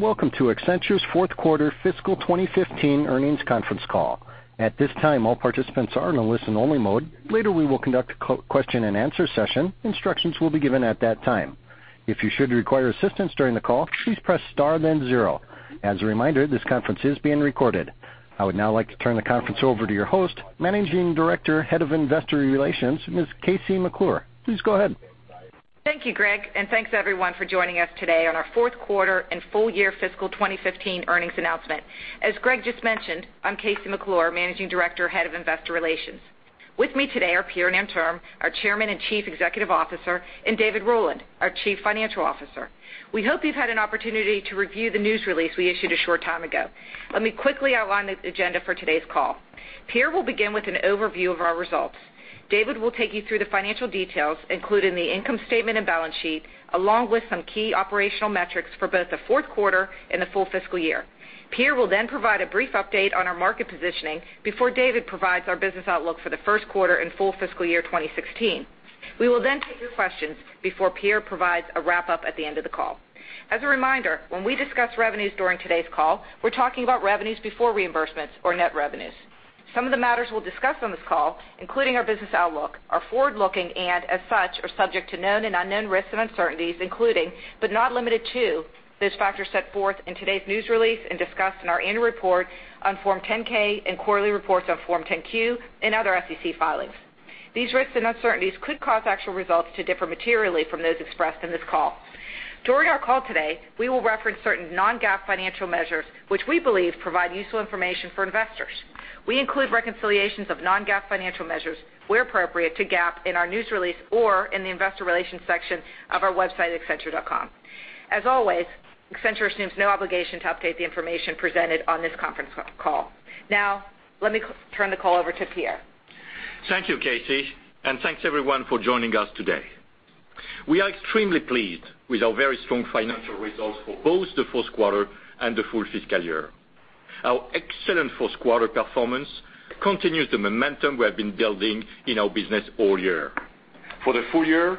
Welcome to Accenture's fourth quarter fiscal 2015 earnings conference call. At this time, all participants are in a listen only mode. Later, we will conduct a question and answer session. Instructions will be given at that time. If you should require assistance during the call, please press star then zero. As a reminder, this conference is being recorded. I would now like to turn the conference over to your host, Managing Director, Head of Investor Relations, Ms. KC McClure. Please go ahead. Thank you, Greg. Thanks everyone for joining us today on our fourth quarter and full year fiscal 2015 earnings announcement. As Greg just mentioned, I'm KC McClure, Managing Director, Head of Investor Relations. With me today are Pierre Nanterme, our Chairman and Chief Executive Officer, and David Rowland, our Chief Financial Officer. We hope you've had an opportunity to review the news release we issued a short time ago. Let me quickly outline the agenda for today's call. Pierre will begin with an overview of our results. David will take you through the financial details, including the income statement and balance sheet, along with some key operational metrics for both the fourth quarter and the full fiscal year. Pierre will provide a brief update on our market positioning before David provides our business outlook for the first quarter and full fiscal year 2016. We will take your questions before Pierre provides a wrap up at the end of the call. As a reminder, when we discuss revenues during today's call, we're talking about revenues before reimbursements or net revenues. Some of the matters we'll discuss on this call, including our business outlook, are forward-looking and as such, are subject to known and unknown risks and uncertainties, including, but not limited to, those factors set forth in today's news release and discussed in our annual report on Form 10-K and quarterly reports on Form 10-Q and other SEC filings. These risks and uncertainties could cause actual results to differ materially from those expressed in this call. During our call today, we will reference certain non-GAAP financial measures, which we believe provide useful information for investors. We include reconciliations of non-GAAP financial measures where appropriate to GAAP in our news release or in the investor relations section of our website, accenture.com. As always, Accenture assumes no obligation to update the information presented on this conference call. Now, let me turn the call over to Pierre. Thank you, KC, and thanks everyone for joining us today. We are extremely pleased with our very strong financial results for both the fourth quarter and the full fiscal year. Our excellent fourth quarter performance continues the momentum we have been building in our business all year. For the full year,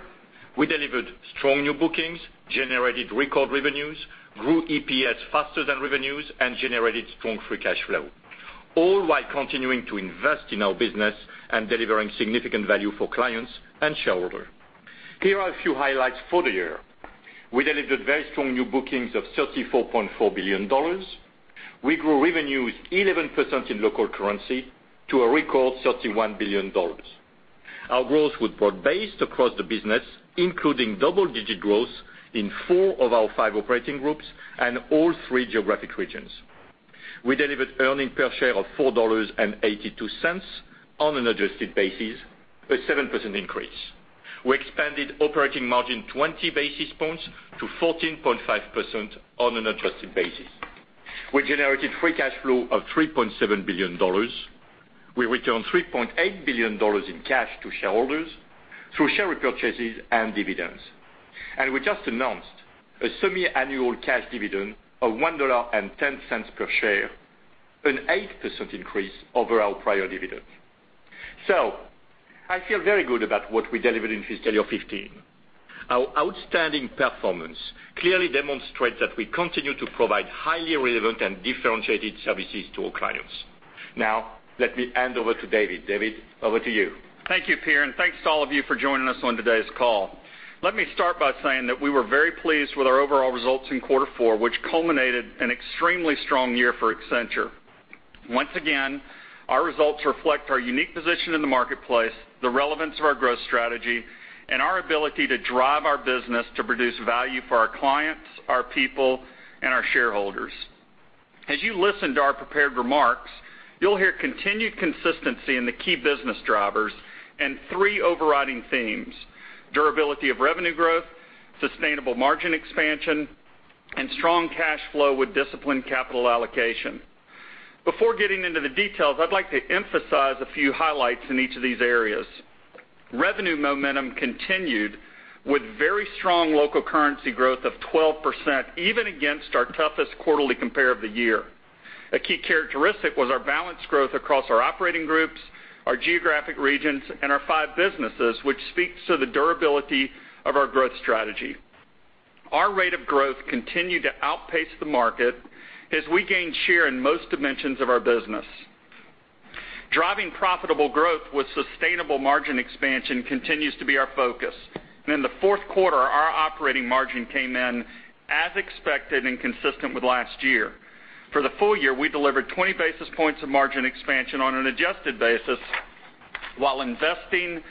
we delivered strong new bookings, generated record revenues, grew EPS faster than revenues, and generated strong free cash flow, all while continuing to invest in our business and delivering significant value for clients and shareholders. Here are a few highlights for the year. We delivered very strong new bookings of $34.4 billion. We grew revenues 11% in local currency to a record $31 billion. Our growth was broad-based across the business, including double-digit growth in four of our five operating groups and all three geographic regions. We delivered earnings per share of $4.82 on an adjusted basis, a 7% increase. We expanded operating margin 20 basis points to 14.5% on an adjusted basis. We generated free cash flow of $3.7 billion. We returned $3.8 billion in cash to shareholders through share repurchases and dividends. We just announced a semi-annual cash dividend of $1.10 per share, an 8% increase over our prior dividend. I feel very good about what we delivered in fiscal year 2015. Our outstanding performance clearly demonstrates that we continue to provide highly relevant and differentiated services to our clients. Let me hand over to David. David, over to you. Thank you, Pierre, and thanks to all of you for joining us on today's call. Let me start by saying that we were very pleased with our overall results in quarter four, which culminated an extremely strong year for Accenture. Once again, our results reflect our unique position in the marketplace, the relevance of our growth strategy, and our ability to drive our business to produce value for our clients, our people, and our shareholders. As you listen to our prepared remarks, you'll hear continued consistency in the key business drivers and three overriding themes: durability of revenue growth, sustainable margin expansion, and strong cash flow with disciplined capital allocation. Before getting into the details, I'd like to emphasize a few highlights in each of these areas. Revenue momentum continued with very strong local currency growth of 12%, even against our toughest quarterly compare of the year. A key characteristic was our balanced growth across our operating groups, our geographic regions, and our five businesses, which speaks to the durability of our growth strategy. Our rate of growth continued to outpace the market as we gained share in most dimensions of our business. Driving profitable growth with sustainable margin expansion continues to be our focus. In the fourth quarter, our operating margin came in as expected and consistent with last year. For the full year, we delivered 20 basis points of margin expansion on an adjusted basis while investing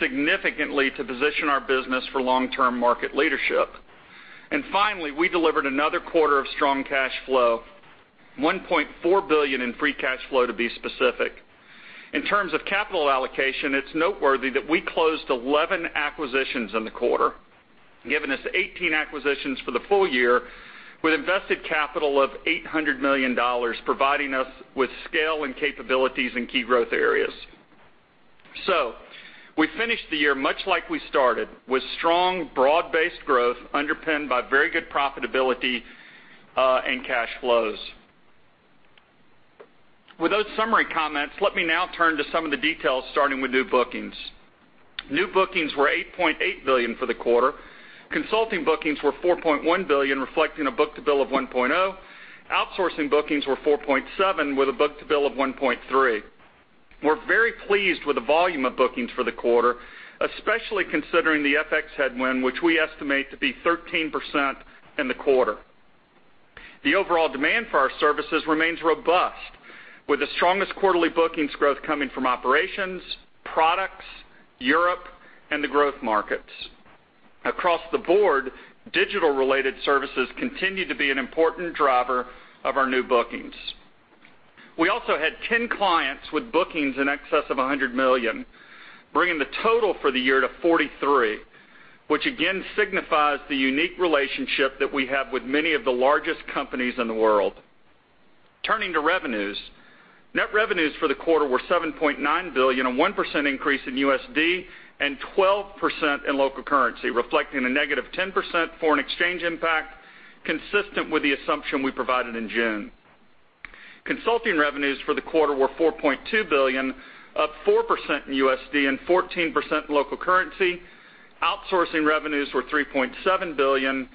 significantly to position our business for long-term market leadership. Finally, we delivered another quarter of strong cash flow, $1.4 billion in free cash flow to be specific. In terms of capital allocation, it's noteworthy that we closed 11 acquisitions in the quarter, giving us 18 acquisitions for the full year with invested capital of $800 million providing us with scale and capabilities in key growth areas. We finished the year much like we started, with strong broad-based growth underpinned by very good profitability and cash flows. With those summary comments, let me now turn to some of the details, starting with new bookings. New bookings were $8.8 billion for the quarter. Consulting bookings were $4.1 billion, reflecting a book-to-bill of 1.0. Outsourcing bookings were $4.7, with a book-to-bill of 1.3. We're very pleased with the volume of bookings for the quarter, especially considering the FX headwind, which we estimate to be 13% in the quarter. The overall demand for our services remains robust, with the strongest quarterly bookings growth coming from operations, products, Europe, and the growth markets. Across the board, digital-related services continue to be an important driver of our new bookings. We also had 10 clients with bookings in excess of $100 million, bringing the total for the year to 43, which again signifies the unique relationship that we have with many of the largest companies in the world. Turning to revenues, net revenues for the quarter were $7.9 billion, a 1% increase in USD and 12% in local currency, reflecting a negative 10% foreign exchange impact, consistent with the assumption we provided in June. Consulting revenues for the quarter were $4.2 billion, up 4% in USD and 14% in local currency. Outsourcing revenues were $3.7 billion,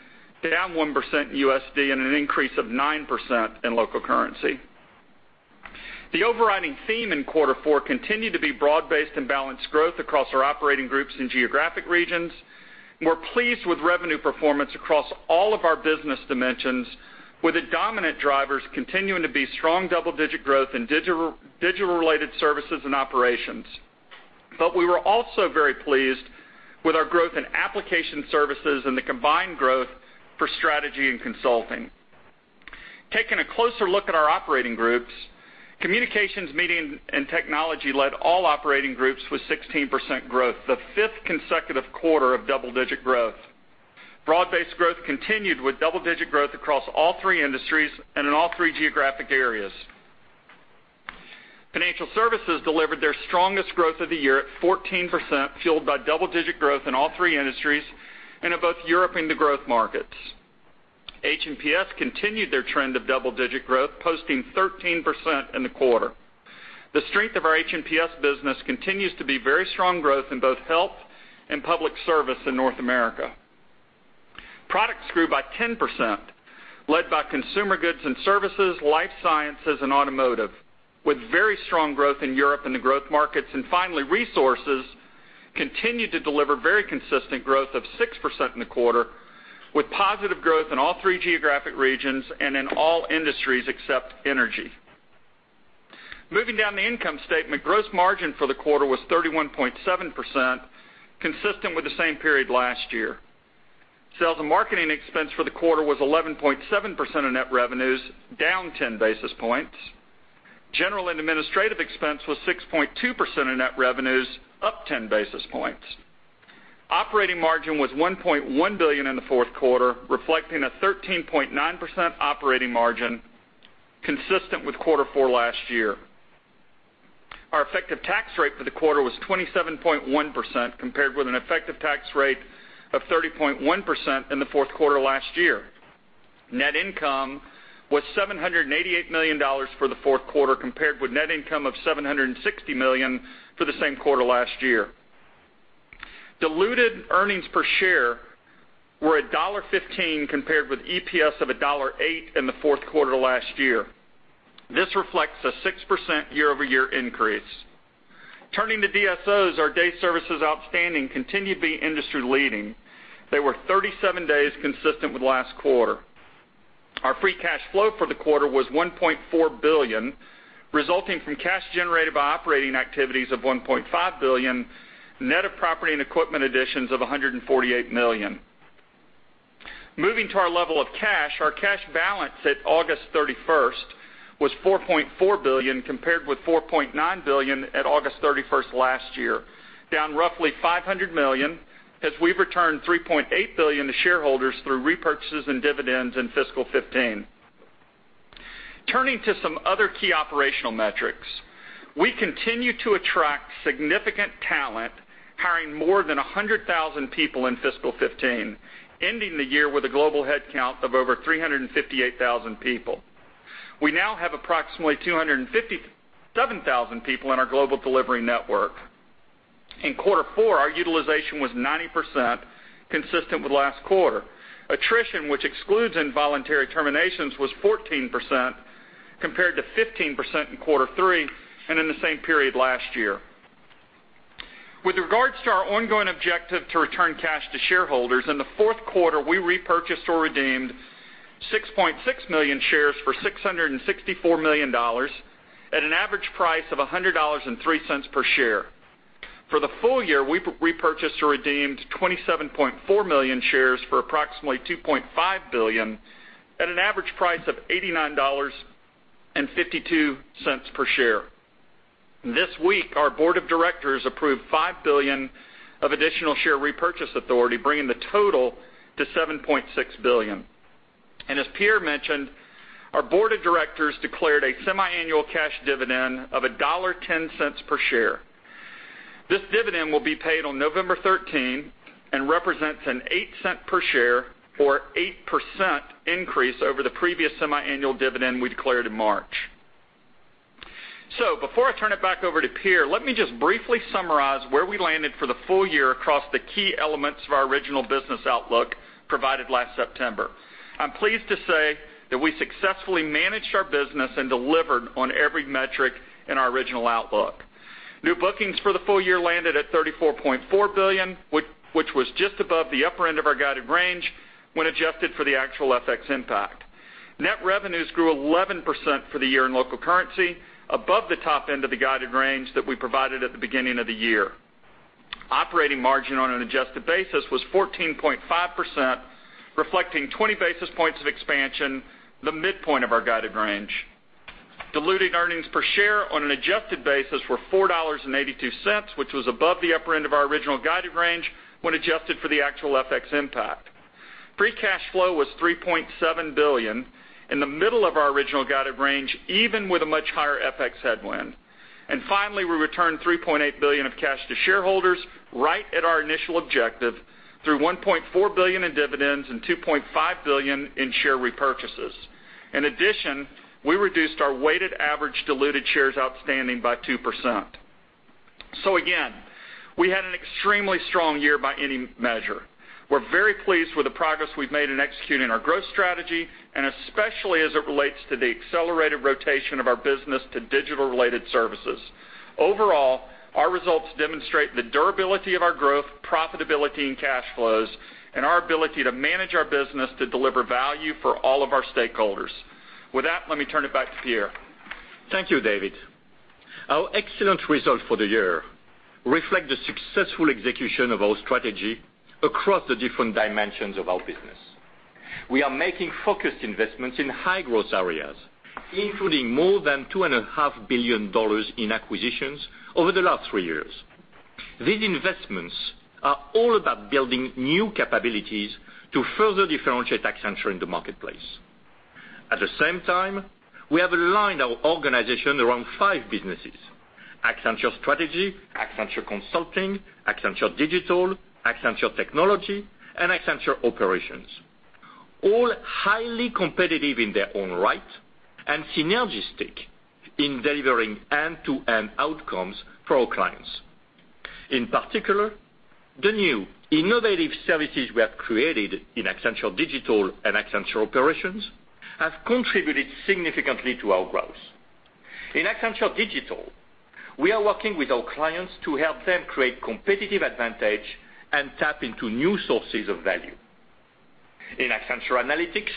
down 1% in USD and an increase of 9% in local currency. The overriding theme in quarter four continued to be broad-based and balanced growth across our operating groups and geographic regions. We're pleased with revenue performance across all of our business dimensions, with the dominant drivers continuing to be strong double-digit growth in digital-related services and operations. We were also very pleased with our growth in application services and the combined growth for Strategy and Consulting. Taking a closer look at our operating groups, Communications, Media & Technology led all operating groups with 16% growth, the fifth consecutive quarter of double-digit growth. Broad-based growth continued with double-digit growth across all three industries and in all three geographic areas. Financial services delivered their strongest growth of the year at 14%, fueled by double-digit growth in all three industries and in both Europe and the growth markets. H&PS continued their trend of double-digit growth, posting 13% in the quarter. The strength of our H&PS business continues to be very strong growth in both health and public service in North America. Products grew by 10%, led by consumer goods and services, life sciences, and automotive, with very strong growth in Europe and the growth markets. Finally, resources continued to deliver very consistent growth of 6% in the quarter, with positive growth in all three geographic regions and in all industries except energy. Moving down the income statement, gross margin for the quarter was 31.7%, consistent with the same period last year. Sales and marketing expense for the quarter was 11.7% of net revenues, down 10 basis points. General and administrative expense was 6.2% of net revenues, up 10 basis points. Operating margin was $1.1 billion in the fourth quarter, reflecting a 13.9% operating margin, consistent with quarter four last year. Our effective tax rate for the quarter was 27.1%, compared with an effective tax rate of 30.1% in the fourth quarter last year. Net income was $788 million for the fourth quarter, compared with net income of $760 million for the same quarter last year. Diluted earnings per share were $1.15, compared with EPS of $1.08 in the fourth quarter last year. This reflects a 6% year-over-year increase. Turning to DSOs, our day services outstanding continue to be industry-leading. They were 37 days consistent with last quarter. Our free cash flow for the quarter was $1.4 billion, resulting from cash generated by operating activities of $1.5 billion, net of property and equipment additions of $148 million. Moving to our level of cash, our cash balance at August 31st was $4.4 billion, compared with $4.9 billion at August 31st last year, down roughly $500 million, as we've returned $3.8 billion to shareholders through repurchases and dividends in fiscal 2015. Turning to some other key operational metrics, we continue to attract significant talent, hiring more than 100,000 people in fiscal 2015, ending the year with a global headcount of over 358,000 people. We now have approximately 257,000 people in our global delivery network. In quarter four, our utilization was 90%, consistent with last quarter. Attrition, which excludes involuntary terminations, was 14%, compared to 15% in quarter three and in the same period last year. With regards to our ongoing objective to return cash to shareholders, in the fourth quarter, we repurchased or redeemed 6.6 million shares for $664 million at an average price of $100.03 per share. For the full year, we repurchased or redeemed 27.4 million shares for approximately $2.5 billion at an average price of $89.52 per share. This week, our board of directors approved $5 billion of additional share repurchase authority, bringing the total to $7.6 billion. As Pierre mentioned, our board of directors declared a semi-annual cash dividend of $1.10 per share. This dividend will be paid on November 13 and represents an $0.08 per share or 8% increase over the previous semi-annual dividend we declared in March. Before I turn it back over to Pierre, let me just briefly summarize where we landed for the full year across the key elements of our original business outlook provided last September. I'm pleased to say that we successfully managed our business and delivered on every metric in our original outlook. New bookings for the full year landed at $34.4 billion, which was just above the upper end of our guided range when adjusted for the actual FX impact. Net revenues grew 11% for the year in local currency, above the top end of the guided range that we provided at the beginning of the year. Operating margin on an adjusted basis was 14.5%, reflecting 20 basis points of expansion, the midpoint of our guided range. Diluted earnings per share on an adjusted basis were $4.82, which was above the upper end of our original guided range, when adjusted for the actual FX impact. Free cash flow was $3.7 billion in the middle of our original guided range, even with a much higher FX headwind. Finally, we returned $3.8 billion of cash to shareholders, right at our initial objective, through $1.4 billion in dividends and $2.5 billion in share repurchases. In addition, we reduced our weighted average diluted shares outstanding by 2%. Again, we had an extremely strong year by any measure. We're very pleased with the progress we've made in executing our growth strategy, and especially as it relates to the accelerated rotation of our business to digital-related services. Overall, our results demonstrate the durability of our growth, profitability in cash flows, and our ability to manage our business to deliver value for all of our stakeholders. With that, let me turn it back to Pierre. Thank you, David. Our excellent result for the year reflect the successful execution of our strategy across the different dimensions of our business. We are making focused investments in high-growth areas, including more than $2.5 billion in acquisitions over the last three years. These investments are all about building new capabilities to further differentiate Accenture in the marketplace. At the same time, we have aligned our organization around five businesses, Accenture Strategy, Accenture Consulting, Accenture Digital, Accenture Technology, and Accenture Operations. All highly competitive in their own right and synergistic in delivering end-to-end outcomes for our clients. In particular, the new innovative services we have created in Accenture Digital and Accenture Operations have contributed significantly to our growth. In Accenture Digital, we are working with our clients to help them create competitive advantage and tap into new sources of value. In Accenture Analytics,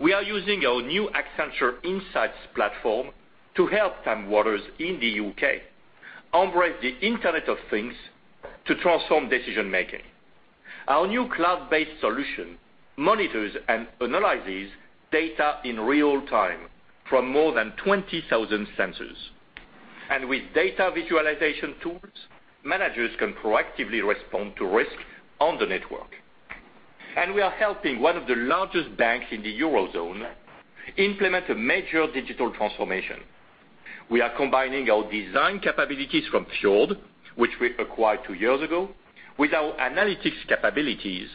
we are using our new Accenture Insights Platform to help Thames Water in the U.K. embrace the Internet of Things to transform decision-making. Our new cloud-based solution monitors and analyzes data in real time from more than 20,000 sensors. With data visualization tools, managers can proactively respond to risk on the network. We are helping one of the largest banks in the Eurozone implement a major digital transformation. We are combining our design capabilities from Fjord, which we acquired two years ago, with our analytics capabilities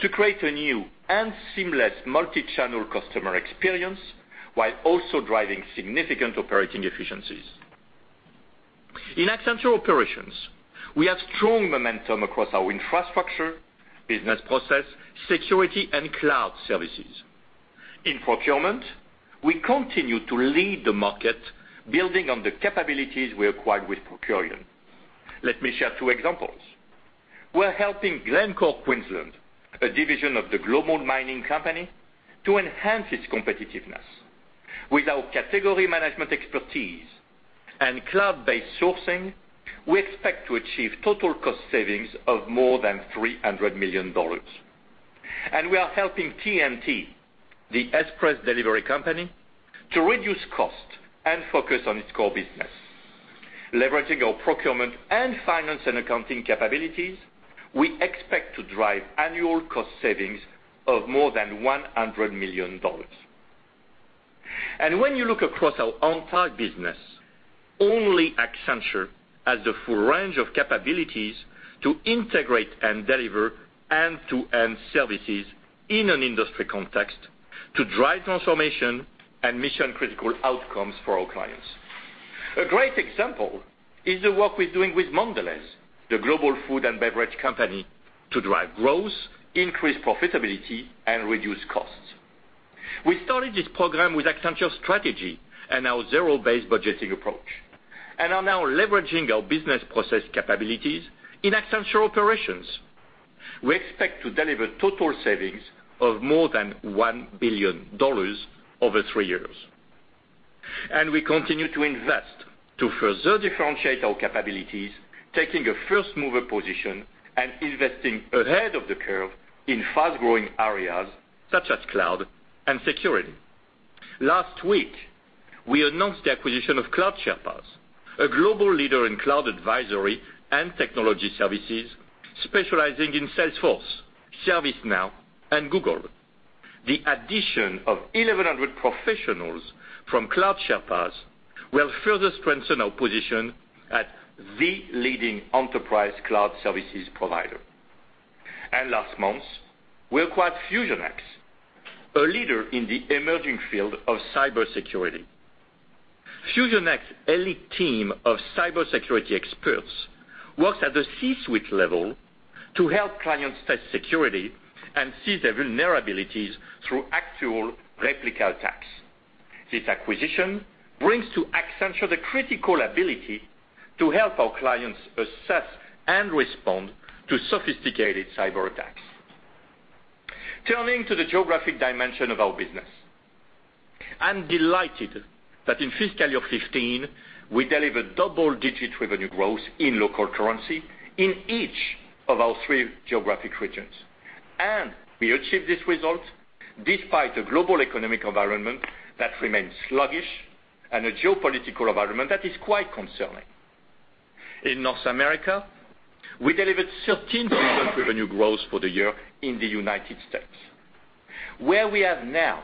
to create a new and seamless multi-channel customer experience while also driving significant operating efficiencies. In Accenture Operations, we have strong momentum across our infrastructure, business process, security, and cloud services. In procurement, we continue to lead the market building on the capabilities we acquired with Procurian. Let me share two examples. We're helping Glencore Queensland, a division of the global mining company, to enhance its competitiveness. With our category management expertise and cloud-based sourcing, we expect to achieve total cost savings of more than $300 million. We are helping TNT, the express delivery company, to reduce cost and focus on its core business. Leveraging our procurement and finance and accounting capabilities, we expect to drive annual cost savings of more than $100 million. When you look across our entire business, only Accenture has the full range of capabilities to integrate and deliver end-to-end services in an industry context to drive transformation and mission-critical outcomes for our clients. A great example is the work we're doing with Mondelez, the global food and beverage company, to drive growth, increase profitability, and reduce costs. We started this program with Accenture Strategy and our zero-based budgeting approach and are now leveraging our business process capabilities in Accenture Operations. We expect to deliver total savings of more than $1 billion over three years. We continue to invest to further differentiate our capabilities, taking a first-mover position and investing ahead of the curve in fast-growing areas such as cloud and security. Last week, we announced the acquisition of Cloud Sherpas, a global leader in cloud advisory and technology services specializing in Salesforce, ServiceNow, and Google. The addition of 1,100 professionals from Cloud Sherpas will further strengthen our position as the leading enterprise cloud services provider. Last month, we acquired FusionX, a leader in the emerging field of cybersecurity. FusionX elite team of cybersecurity experts works at the C-suite level to help clients test security and see their vulnerabilities through actual replica attacks. This acquisition brings to Accenture the critical ability to help our clients assess and respond to sophisticated cyberattacks. Turning to the geographic dimension of our business. I'm delighted that in fiscal year 2015, we delivered double-digit revenue growth in local currency in each of our three geographic regions. We achieved this result despite the global economic environment that remains sluggish and a geopolitical environment that is quite concerning. In North America, we delivered 13% revenue growth for the year in the United States, where we have now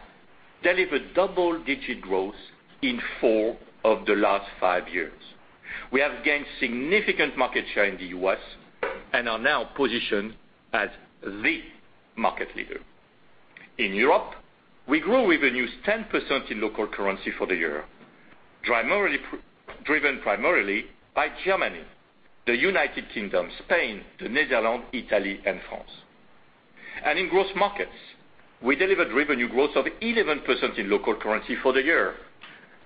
delivered double-digit growth in four of the last five years. We have gained significant market share in the U.S. and are now positioned as the market leader. In Europe, we grew revenues 10% in local currency for the year, driven primarily by Germany, the United Kingdom, Spain, the Netherlands, Italy and France. In growth markets, we delivered revenue growth of 11% in local currency for the year,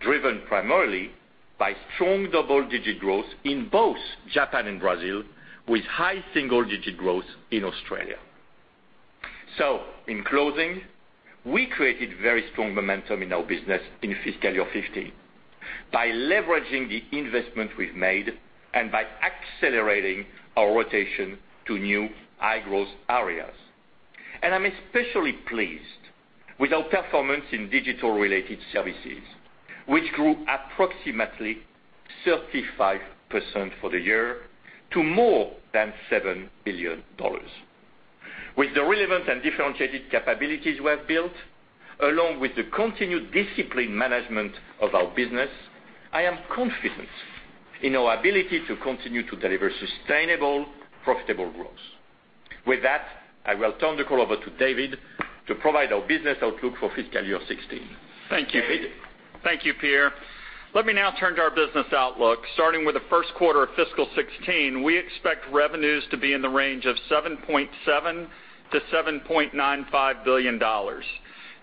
driven primarily by strong double-digit growth in both Japan and Brazil, with high single-digit growth in Australia. In closing, we created very strong momentum in our business in fiscal year 2015 by leveraging the investment we've made and by accelerating our rotation to new high-growth areas. I'm especially pleased with our performance in digital-related services, which grew approximately 35% for the year to more than $7 billion. With the relevant and differentiated capabilities we have built, along with the continued disciplined management of our business, I am confident in our ability to continue to deliver sustainable, profitable growth. With that, I will turn the call over to David to provide our business outlook for fiscal year 2016. David? Thank you, Pierre. Let me now turn to our business outlook. Starting with the first quarter of fiscal year 2016, we expect revenues to be in the range of $7.7 billion-$7.95 billion.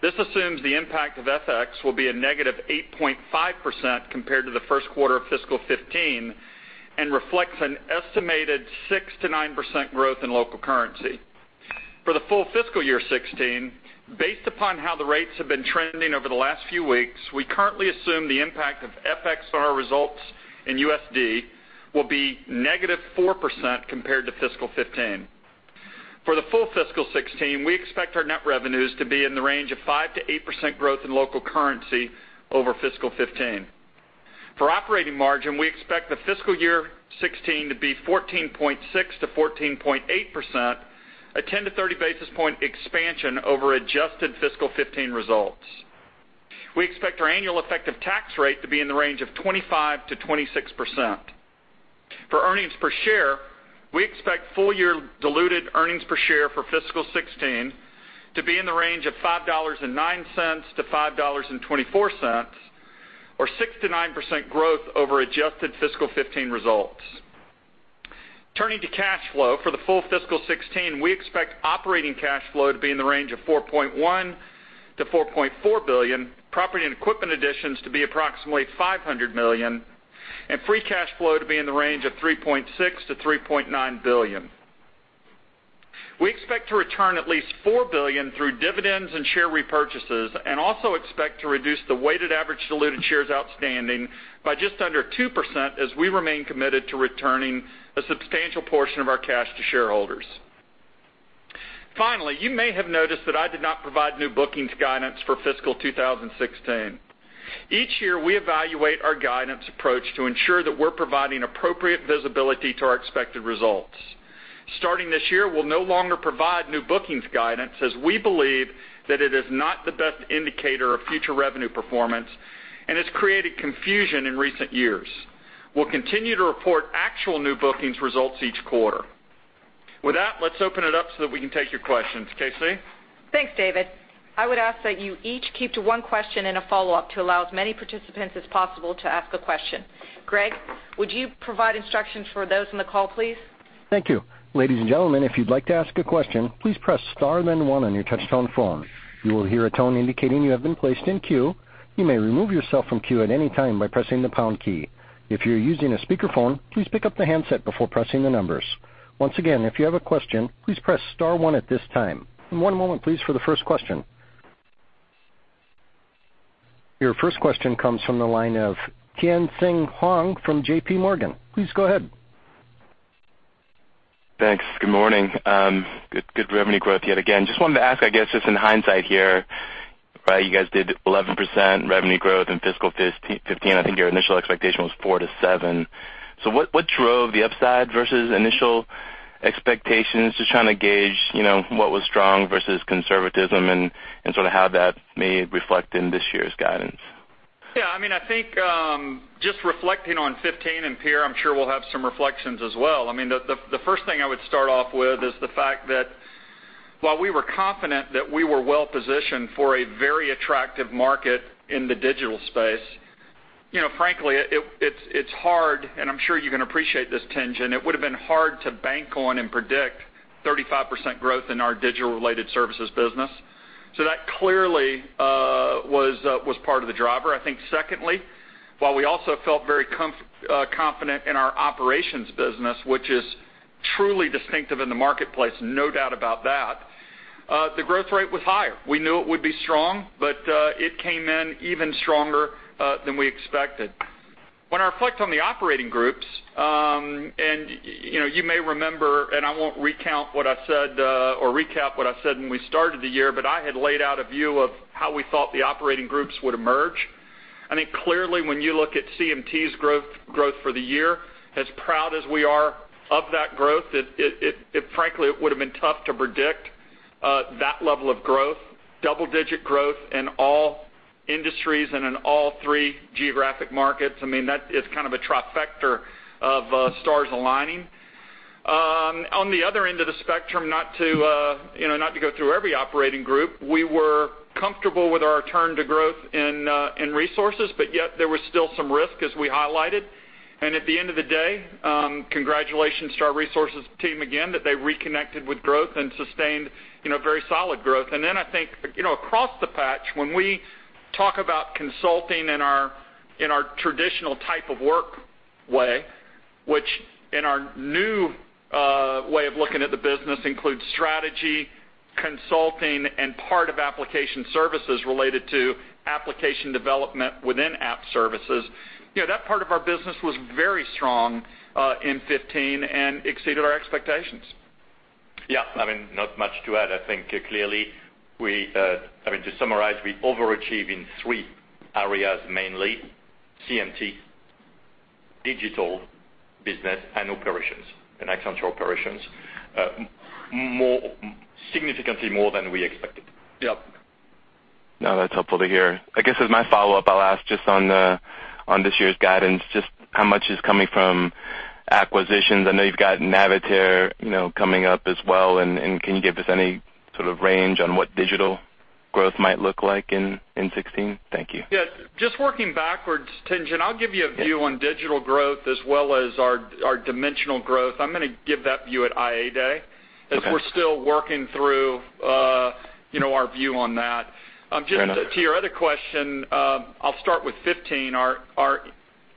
This assumes the impact of FX will be a -8.5% compared to the first quarter of fiscal year 2015 and reflects an estimated 6%-9% growth in local currency. For the full fiscal year 2016, based upon how the rates have been trending over the last few weeks, we currently assume the impact of FX on our results in USD will be -4% compared to fiscal year 2015. For the full fiscal year 2016, we expect our net revenues to be in the range of 5%-8% growth in local currency over fiscal year 2015. For operating margin, we expect the fiscal year 2016 to be 14.6%-14.8%, a 10 to 30 basis point expansion over adjusted fiscal 2015 results. We expect our annual effective tax rate to be in the range of 25%-26%. For earnings per share, we expect full-year diluted EPS for fiscal 2016 to be in the range of $5.09-$5.24 or 6%-9% growth over adjusted fiscal 2015 results. Turning to cash flow. For the full fiscal 2016, we expect operating cash flow to be in the range of $4.1 billion-$4.4 billion, property and equipment additions to be approximately $500 million, and free cash flow to be in the range of $3.6 billion-$3.9 billion. We expect to return at least $4 billion through dividends and share repurchases and also expect to reduce the weighted average diluted shares outstanding by just under 2% as we remain committed to returning a substantial portion of our cash to shareholders. Finally, you may have noticed that I did not provide new bookings guidance for fiscal 2016. Each year, we evaluate our guidance approach to ensure that we're providing appropriate visibility to our expected results. Starting this year, we'll no longer provide new bookings guidance as we believe that it is not the best indicator of future revenue performance and has created confusion in recent years. We'll continue to report actual new bookings results each quarter. With that, let's open it up so that we can take your questions. KC? Thanks, David. I would ask that you each keep to one question and a follow-up to allow as many participants as possible to ask a question. Greg, would you provide instructions for those on the call, please? Thank you. Ladies and gentlemen, if you'd like to ask a question, please press star then one on your touchtone phone. You will hear a tone indicating you have been placed in queue. You may remove yourself from queue at any time by pressing the pound key. If you're using a speakerphone, please pick up the handset before pressing the numbers. Once again, if you have a question, please press star one at this time. One moment please for the first question. Your first question comes from the line of Tien-Tsin Huang from JPMorgan. Please go ahead. Thanks. Good morning. Good revenue growth yet again. Just wanted to ask, I guess, just in hindsight here Right. You guys did 11% revenue growth in fiscal 2015. I think your initial expectation was 4%-7%. What drove the upside versus initial expectations? Just trying to gauge what was strong versus conservatism and sort of how that may reflect in this year's guidance. Yeah. I think just reflecting on 2015, and Pierre, I'm sure will have some reflections as well. The first thing I would start off with is the fact that while we were confident that we were well-positioned for a very attractive market in the digital space, frankly, it's hard, and I'm sure you can appreciate this, Tingen. It would've been hard to bank on and predict 35% growth in our digital-related services business. That clearly was part of the driver. I think secondly, while we also felt very confident in our Accenture Operations business, which is truly distinctive in the marketplace, no doubt about that, the growth rate was higher. We knew it would be strong, but it came in even stronger than we expected. When I reflect on the operating groups, and you may remember, and I won't recount what I said, or recap what I said when we started the year, but I had laid out a view of how we thought the operating groups would emerge. I think clearly when you look at CMT's growth for the year, as proud as we are of that growth, frankly, it would've been tough to predict that level of growth, double-digit growth in all industries and in all three geographic markets. That is kind of a trifecta of stars aligning. On the other end of the spectrum, not to go through every operating group, we were comfortable with our return to growth in resources, but yet there was still some risk as we highlighted. At the end of the day, congratulations to our resources team again, that they reconnected with growth and sustained very solid growth. I think, across the patch, when we talk about consulting in our traditional type of work way, which in our new way of looking at the business includes strategy, consulting, and part of application services related to application development within app services. That part of our business was very strong in 2015 and exceeded our expectations. Yeah. Not much to add. I think clearly, to summarize, we overachieve in three areas, mainly CMT, digital business, and operations, and Accenture Operations significantly more than we expected. Yep. No, that's helpful to hear. I guess as my follow-up, I'll ask just on this year's guidance, just how much is coming from acquisitions. I know you've got Navitaire coming up as well. Can you give us any sort of range on what digital growth might look like in 2016? Thank you. Yeah. Just working backwards, Tien-Tsin, I'll give you a view on digital growth as well as our dimensional growth. I'm going to give that view at IA Day- Okay as we're still working through our view on that. Fair enough. Just to your other question, I'll start with 15. Our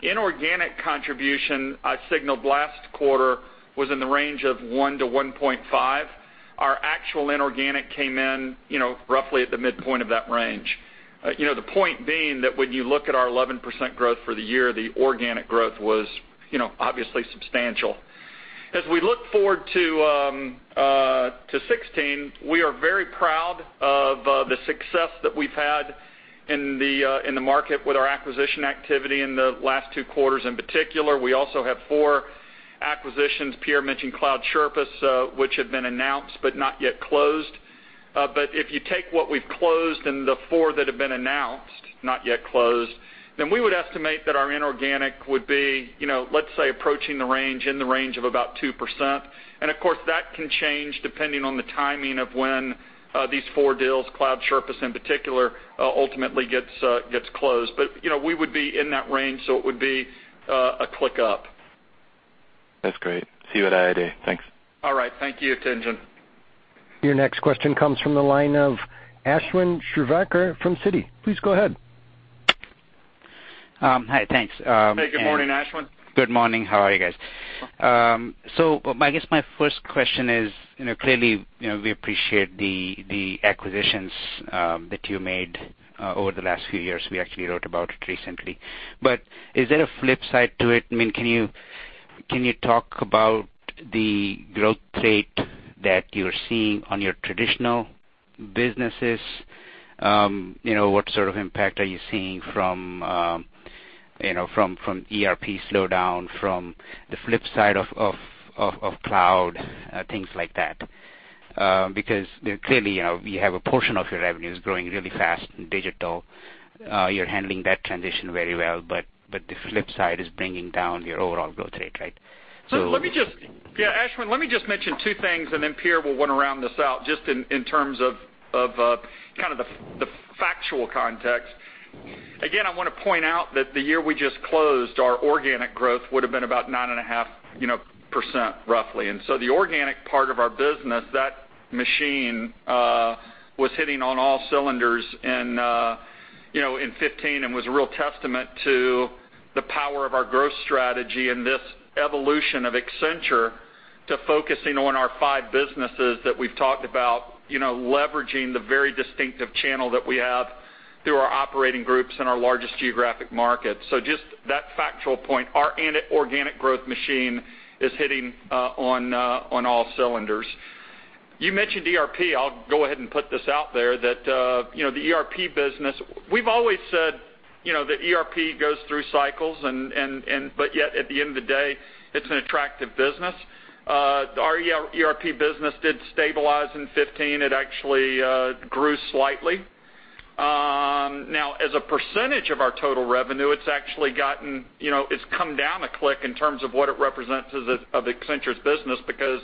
inorganic contribution I signaled last quarter was in the range of 1%-1.5%. Our actual inorganic came in roughly at the midpoint of that range. The point being that when you look at our 11% growth for the year, the organic growth was obviously substantial. As we look forward to 2016, we are very proud of the success that we've had in the market with our acquisition activity in the last two quarters in particular. We also have four acquisitions. Pierre mentioned Cloud Sherpas, which had been announced but not yet closed. If you take what we've closed and the four that have been announced, not yet closed, then we would estimate that our inorganic would be, let's say, approaching the range, in the range of about 2%. Of course, that can change depending on the timing of when these four deals, Cloud Sherpas in particular, ultimately gets closed. We would be in that range, so it would be a click up. That's great. See you at IA Day. Thanks. All right. Thank you, Tien-Tsin. Your next question comes from the line of Ashwin Shirvaikar from Citi. Please go ahead. Hi, thanks. Hey, good morning, Ashwin. Good morning. How are you guys? Good. I guess my first question is, clearly, we appreciate the acquisitions that you made over the last few years. We actually wrote about it recently. Is there a flip side to it? Can you talk about the growth rate that you're seeing on your traditional businesses? What sort of impact are you seeing from ERP slowdown, from the flip side of cloud, things like that? Clearly, we have a portion of your revenues growing really fast in digital. You're handling that transition very well, but the flip side is bringing down your overall growth rate, right? Ashwin, let me just mention two things, and then Pierre will want to round this out just in terms of kind of the factual context. Again, I want to point out that the year we just closed, our organic growth would've been about 9.5% roughly. The organic part of our business, that machine, was hitting on all cylinders in 2015 and was a real testament to the power of our growth strategy and this evolution of Accenture to focusing on our five businesses that we've talked about, leveraging the very distinctive channel that we have through our Operating Groups in our largest Geographic Markets. Just that factual point, our organic growth machine is hitting on all cylinders. You mentioned ERP. I'll go ahead and put this out there, that the ERP business, we've always said, that ERP goes through cycles, but yet at the end of the day, it's an attractive business. Our ERP business did stabilize in 2015. It actually grew slightly. Now, as a percentage of our total revenue, it's come down a click in terms of what it represents of Accenture's business because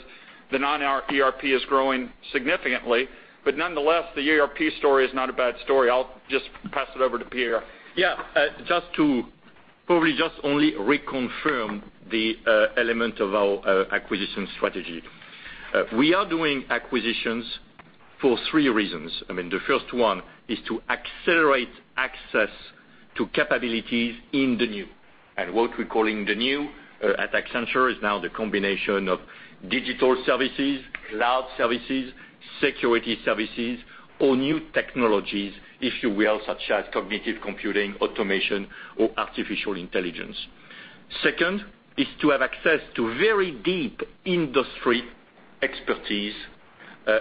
the non-ERP is growing significantly. Nonetheless, the ERP story is not a bad story. I'll just pass it over to Pierre. Reconfirm the element of our acquisition strategy. We are doing acquisitions for three reasons. The first one is to accelerate access to capabilities in the new. What we're calling the new at Accenture is now the combination of digital services, cloud services, security services, or new technologies, if you will, such as cognitive computing, automation, or artificial intelligence. Second is to have access to very deep industry expertise,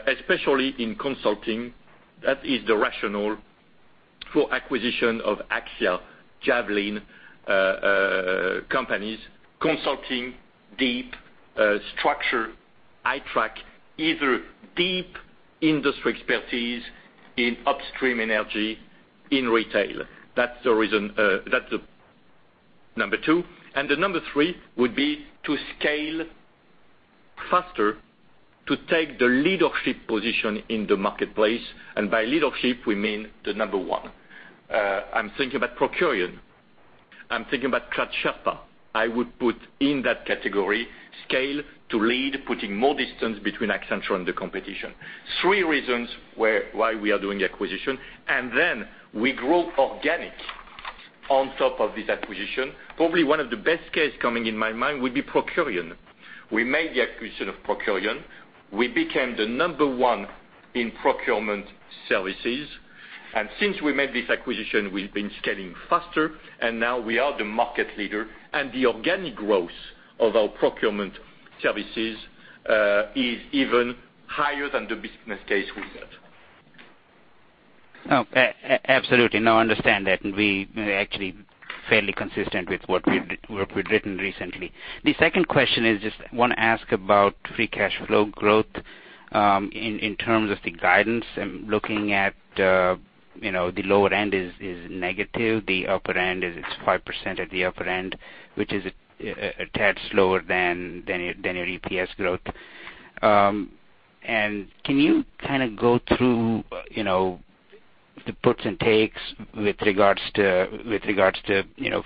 especially in consulting. That is the rationale for acquisition of Axia, Javelin, companies consulting deep structure, I-TRACK, either deep industry expertise in upstream energy in retail. That is number 2. The number 3 would be to scale faster to take the leadership position in the marketplace. By leadership, we mean the number 1. I'm thinking about Procurian. I'm thinking about Cloud Sherpas. I would put in that category scale to lead, putting more distance between Accenture and the competition. Three reasons why we are doing the acquisition, and then we grow organic on top of this acquisition. Probably one of the best case coming in my mind would be Procurian. We made the acquisition of Procurian. We became the number 1 in procurement services. Since we made this acquisition, we've been scaling faster, and now we are the market leader, and the organic growth of our procurement services, is even higher than the business case we set. Absolutely. I understand that. We are actually fairly consistent with what we've written recently. The second question is just I want to ask about free cash flow growth, in terms of the guidance, looking at the lower end is negative, the upper end is 5% at the upper end, which is a tad slower than your EPS growth. Can you go through the puts and takes with regards to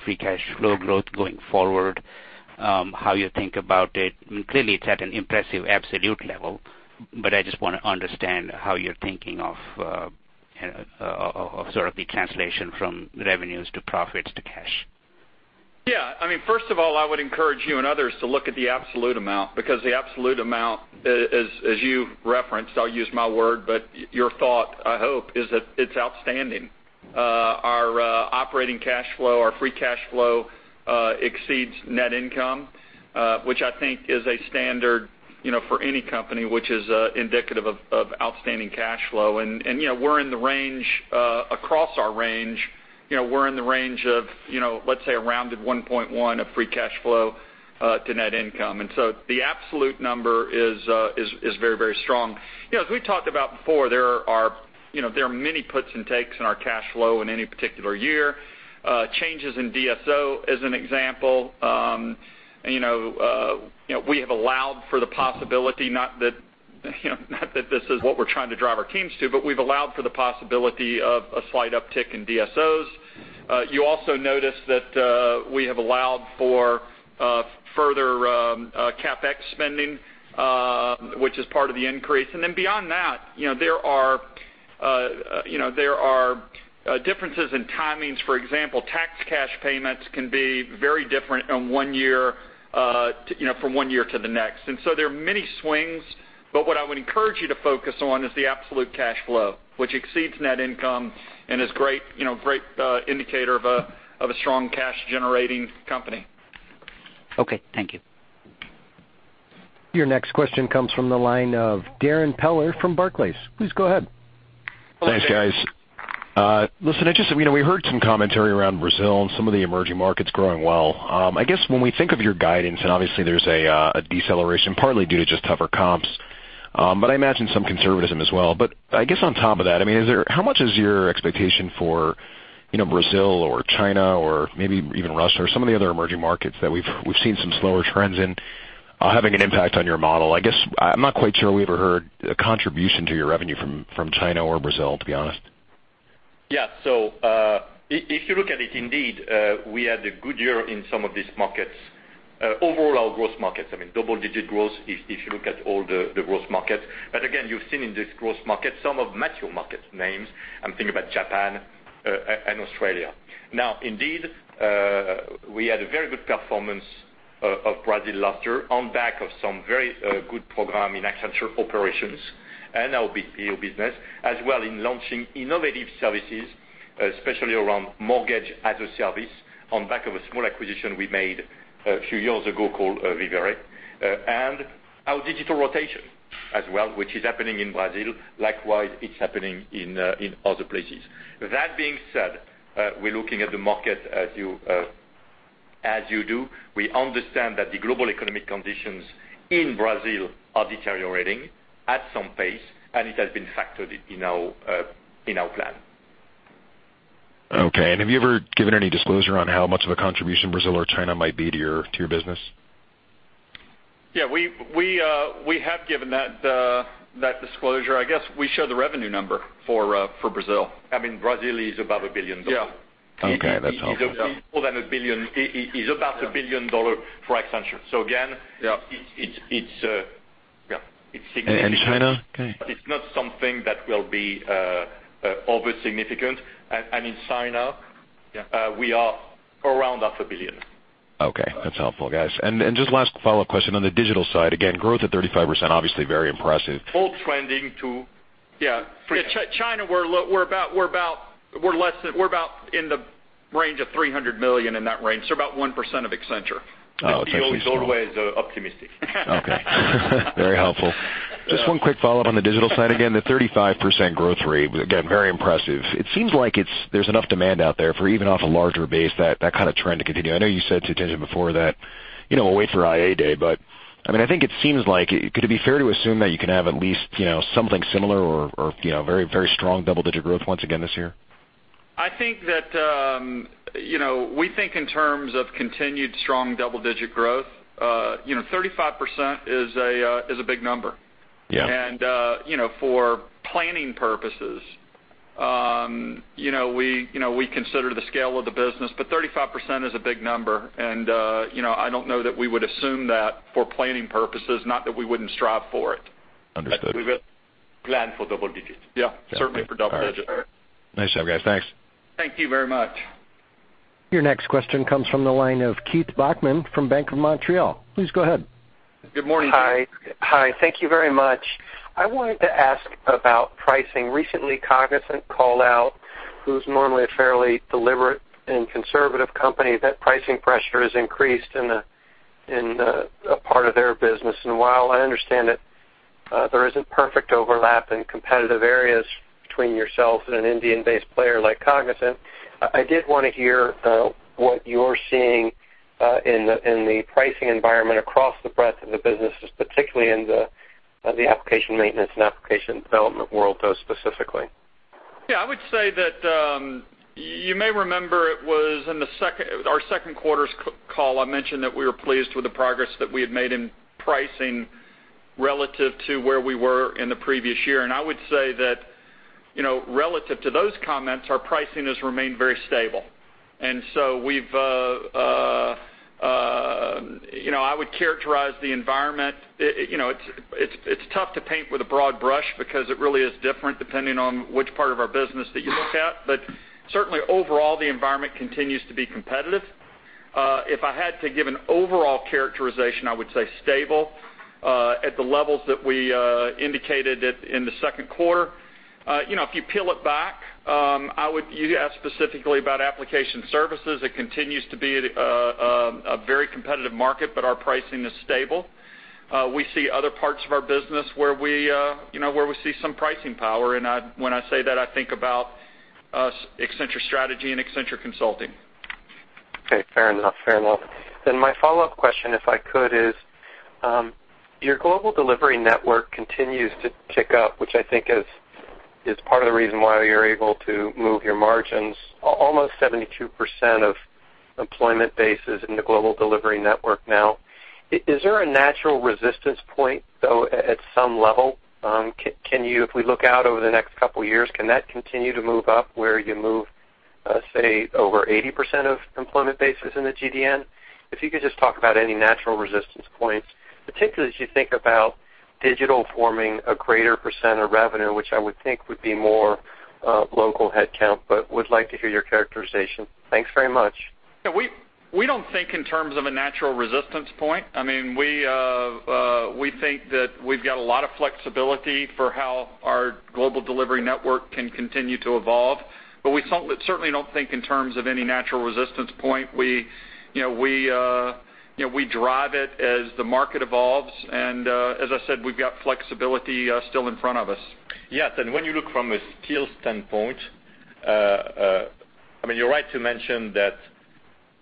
free cash flow growth going forward, how you think about it? Clearly, it's at an impressive absolute level, but I just want to understand how you're thinking of sort of the translation from revenues to profits to cash. Yeah. First of all, I would encourage you and others to look at the absolute amount, because the absolute amount, as you've referenced, I'll use my word, but your thought, I hope, is that it's outstanding. Our operating cash flow, our free cash flow, exceeds net income, which I think is a standard for any company which is indicative of outstanding cash flow. We're in the range of, let's say, a rounded 1.1 of free cash flow to net income. The absolute number is very strong. As we talked about before, there are many puts and takes in our cash flow in any particular year. Changes in DSO as an example. We have allowed for the possibility, not that this is what we're trying to drive our teams to, but we've allowed for the possibility of a slight uptick in DSOs. You also notice that we have allowed for further CapEx spending, which is part of the increase. Beyond that, there are differences in timings. For example, tax cash payments can be very different from one year to the next. There are many swings, but what I would encourage you to focus on is the absolute cash flow, which exceeds net income and is a great indicator of a strong cash-generating company. Okay. Thank you. Your next question comes from the line of Darren Peller from Barclays. Please go ahead. Hello. Thanks, guys. Listen, we heard some commentary around Brazil and some of the emerging markets growing well. I guess when we think of your guidance, and obviously there's a deceleration partly due to just tougher comps, but I imagine some conservatism as well. I guess on top of that, how much is your expectation for Brazil or China or maybe even Russia or some of the other emerging markets that we've seen some slower trends in having an impact on your model? I guess I'm not quite sure we ever heard a contribution to your revenue from China or Brazil, to be honest. Yeah. If you look at it, indeed, we had a good year in some of these markets. Overall, our growth markets, double-digit growth if you look at all the growth markets. Again, you've seen in this growth market some of mature market names. I'm thinking about Japan, and Australia. Now, indeed, we had a very good performance of Brazil last year on back of some very good program in Accenture Operations and our BPO business as well in launching innovative services, especially around Mortgage as-a-Service on back of a small acquisition we made a few years ago called Zenta. Our digital rotation as well, which is happening in Brazil. Likewise, it's happening in other places. That being said, we're looking at the market as you do. We understand that the global economic conditions in Brazil are deteriorating at some pace, and it has been factored in our plan. Okay. Have you ever given any disclosure on how much of a contribution Brazil or China might be to your business? Yeah. We have given that disclosure. I guess we show the revenue number for Brazil. I mean, Brazil is above $1 billion. Yeah. Okay. That's helpful. It's more than $1 billion. It's about $1 billion for Accenture. Yeah It's significant. China? Okay. It's not something that will be over significant. In China. Yeah We are around $0.5 billion. Okay. That's helpful, guys. Just last follow-up question on the digital side, again, growth at 35%, obviously very impressive. All trending to Yeah. Yeah. China, we're about in the range of $300 million, in that range, so about 1% of Accenture. Oh, okay. The CEO is always optimistic. Okay. Very helpful. Just one quick follow-up on the digital side. Again, the 35% growth rate, again, very impressive. It seems like there's enough demand out there for even off a larger base, that kind of trend to continue. I know you said to Tien-Tsin before that, wait for IA Day, but I think it seems like, could it be fair to assume that you can have at least something similar or very strong double-digit growth once again this year? I think that we think in terms of continued strong double-digit growth. 35% is a big number. Yeah. For planning purposes, we consider the scale of the business, but 35% is a big number, and I don't know that we would assume that for planning purposes, not that we wouldn't strive for it. Understood. We will plan for double digits. Yeah. Certainly for double digits. All right. Nice job, guys. Thanks. Thank you very much. Your next question comes from the line of Keith Bachman from BMO Capital Markets. Please go ahead. Good morning, Keith. Hi. Thank you very much. I wanted to ask about pricing. Recently, Cognizant called out, who's normally a fairly deliberate and conservative company, that pricing pressure has increased in a part of their business. While I understand that there isn't perfect overlap in competitive areas between yourself and an Indian-based player like Cognizant, I did want to hear what you're seeing in the pricing environment across the breadth of the businesses, particularly in the application maintenance and application development world, though, specifically. Yeah, I would say that, you may remember it was in our second quarter's call, I mentioned that we were pleased with the progress that we had made in pricing relative to where we were in the previous year. I would say that, relative to those comments, our pricing has remained very stable. I would characterize the environment. It's tough to paint with a broad brush because it really is different depending on which part of our business that you look at. Certainly overall, the environment continues to be competitive. If I had to give an overall characterization, I would say stable, at the levels that we indicated in the second quarter. If you peel it back, you asked specifically about application services, it continues to be a very competitive market, but our pricing is stable. We see other parts of our business where we see some pricing power, and when I say that, I think about Accenture Strategy and Accenture Consulting. Okay. Fair enough. My follow-up question, if I could, is, your global delivery network continues to tick up, which I think is part of the reason why you're able to move your margins. Almost 72% of employment base is in the global delivery network now. Is there a natural resistance point, though, at some level? If we look out over the next couple of years, can that continue to move up where you move, let's say, over 80% of employment bases in the GDN? If you could just talk about any natural resistance points, particularly as you think about digital forming a greater % of revenue, which I would think would be more local headcount. Would like to hear your characterization. Thanks very much. Yeah, we don't think in terms of a natural resistance point. We think that we've got a lot of flexibility for how our global delivery network can continue to evolve. We certainly don't think in terms of any natural resistance point. We drive it as the market evolves, and, as I said, we've got flexibility still in front of us. Yes. When you look from a skills standpoint, you're right to mention that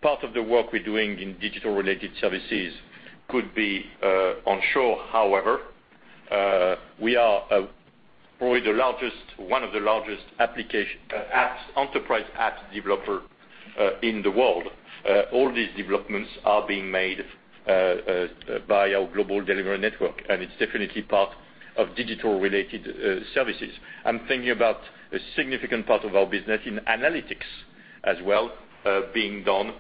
part of the work we're doing in digital-related services could be onshore. However, we are probably one of the largest enterprise app developer in the world. All these developments are being made by our global delivery network, and it's definitely part of digital-related services. I'm thinking about a significant part of our business in analytics as well, being done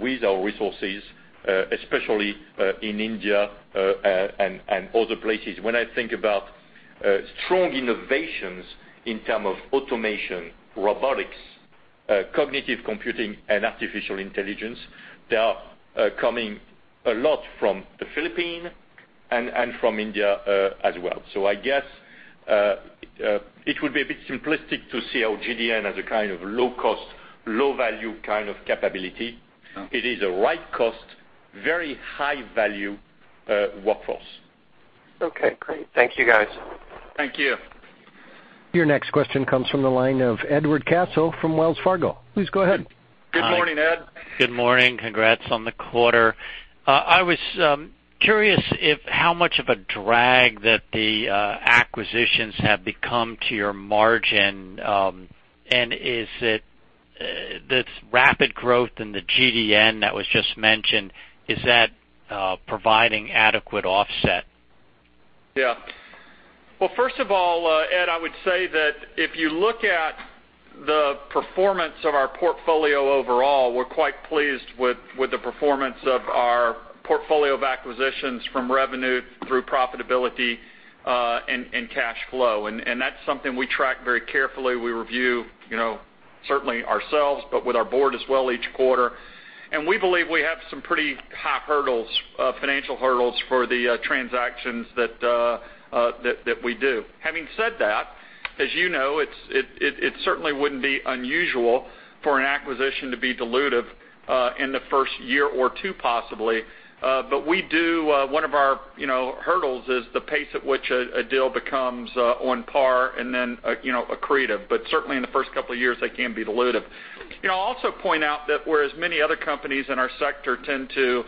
with our resources, especially in India, and other places. When I think about strong innovations in terms of automation, robotics, Cognitive computing, and artificial intelligence, they are coming a lot from the Philippines and from India as well. I guess, it would be a bit simplistic to see our GDN as a kind of low-cost, low-value kind of capability. Oh. It is a right cost, very high-value workforce. Okay, great. Thank you, guys. Thank you. Your next question comes from the line of Edward Caso from Wells Fargo. Please go ahead. Good morning, Ed. Good morning. Congrats on the quarter. I was curious if how much of a drag that the acquisitions have become to your margin, and this rapid growth in the GDN that was just mentioned, is that providing adequate offset? Yeah. Well, first of all, Ed, I would say that if you look at the performance of our portfolio overall, we're quite pleased with the performance of our portfolio of acquisitions from revenue through profitability, and cash flow. That's something we track very carefully. We review certainly ourselves, but with our board as well each quarter. We believe we have some pretty high hurdles, financial hurdles for the transactions that we do. Having said that, as you know, it certainly wouldn't be unusual for an acquisition to be dilutive in the first year or two possibly. One of our hurdles is the pace at which a deal becomes on par and then accretive. Certainly, in the first couple of years, they can be dilutive. I'll also point out that whereas many other companies in our sector tend to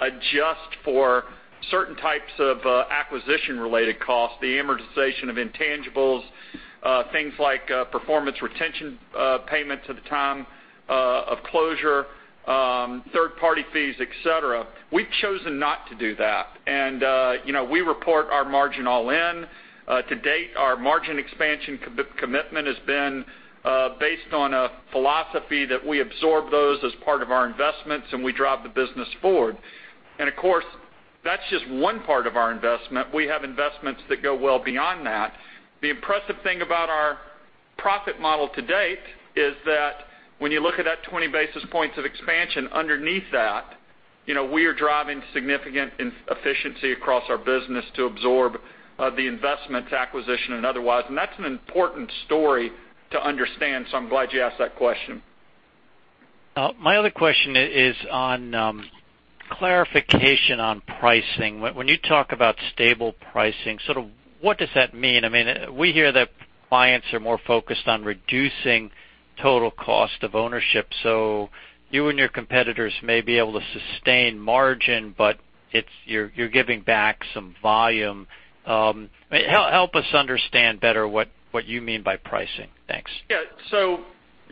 adjust for certain types of acquisition-related costs, the amortization of intangibles, things like performance retention payments at the time of closure, third-party fees, et cetera, we've chosen not to do that. We report our margin all in. To date, our margin expansion commitment has been based on a philosophy that we absorb those as part of our investments, and we drive the business forward. Of course, that's just one part of our investment. We have investments that go well beyond that. The impressive thing about our profit model to date is that when you look at that 20 basis points of expansion underneath that, we are driving significant efficiency across our business to absorb the investments, acquisition and otherwise. That's an important story to understand, so I'm glad you asked that question. My other question is on clarification on pricing. When you talk about stable pricing, sort of what does that mean? We hear that clients are more focused on reducing total cost of ownership. You and your competitors may be able to sustain margin, but you're giving back some volume. Help us understand better what you mean by pricing. Thanks.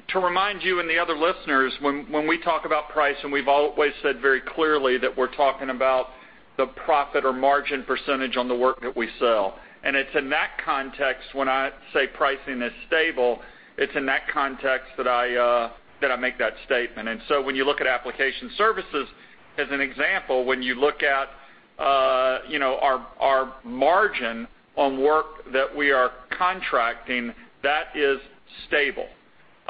To remind you and the other listeners, when we talk about price, we've always said very clearly that we're talking about the profit or margin percentage on the work that we sell. It's in that context when I say pricing is stable, it's in that context that I make that statement. When you look at application services as an example, when you look at our margin on work that we are contracting, that is stable.